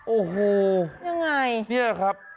โอ้โฮนี่ไงนี่ครับ